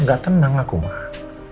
enggak enggak enggak tenang lah kumah